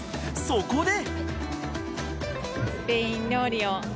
そこで。